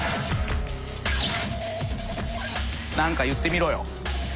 何か言ってみろよ。